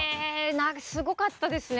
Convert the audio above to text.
何かすごかったですね！